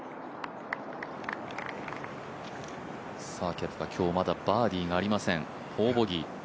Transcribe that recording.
ケプカ、今日まだバーディーがありません、４ボギー。